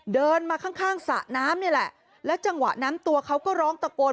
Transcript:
เดินมาข้างข้างสระน้ำนี่แหละแล้วจังหวะนั้นตัวเขาก็ร้องตะโกน